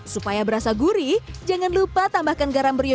supaya berasa gurih jangan lupa tambahkan garam berius